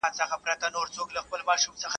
فلمونه خلک خوشحاله کوي